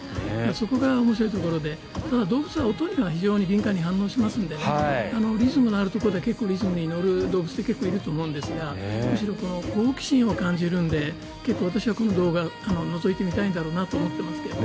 そこが面白いところで、動物は音に非常に敏感に反応しますのでリズムのあるところでリズムに乗る動物って結構いると思うんですがむしろ好奇心を感じるので私はこの動画のぞいてみたいんだろうなと思っていますけど。